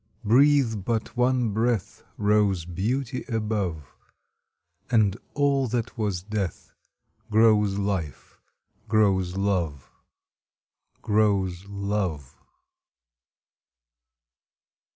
Breathe but one breath Rose beauty above, And all that was death Grows life, grows love, Grows love!